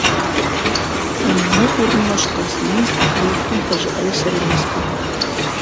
Тынлыҡ урынлашҡас, мин Аҡболоттоң фажиғәле серен астым.